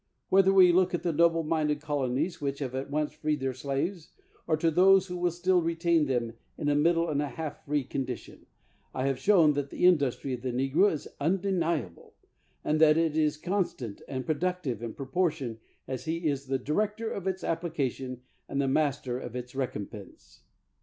Whether we look to the noble minded colonies which have at once freed their slaves, or to those who will still retain them in a middle and half free condition, I have shown that the industiy of the negro is undeniable, and that it is con stant and productive in proportion as he is the director of its application and the master of its recompense.